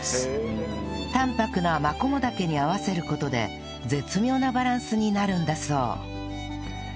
淡泊なマコモダケに合わせる事で絶妙なバランスになるんだそう